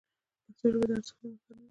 پښتو ژبه د ارزښتونو نښانه ده.